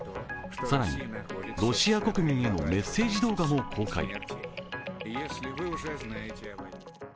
更にロシア国民へのメッセージ動画も公開。